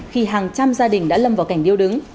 khi hàng trăm gia đình đã lâm vào cảnh điêu đứng